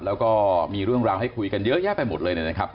แล้วก็มีเรื่องราวให้คุยกันเยอะแยะไปหมดเลยนะครับ